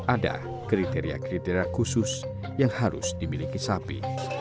ada kriteria kriteria khusus yang harus dimiliki sapi